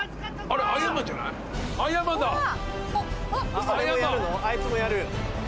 あいつもやる？